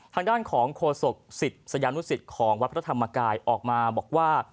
ทางด้านของโฆษกศิษยานุสิตของวัดพระธรรมกายออกมาบอกว่า